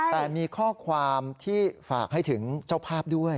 แต่มีข้อความที่ฝากให้ถึงเจ้าภาพด้วย